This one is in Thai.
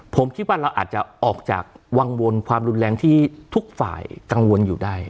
ผมคิดว่าเราอาจจะออกจากวังวลความรุนแรงที่ทุกฝ่ายกังวลอยู่ได้